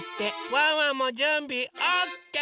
ワンワンもじゅんびオッケー！